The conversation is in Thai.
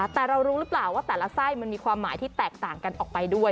แต่เรารู้หรือเปล่าว่าแต่ละไส้มันมีความหมายที่แตกต่างกันออกไปด้วย